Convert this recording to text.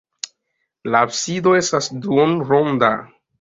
La absido estas duonronda.